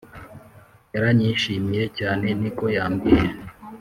Yaranyishimiye cyane niko yabwiye